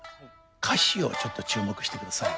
歌詞をちょっと注目してください。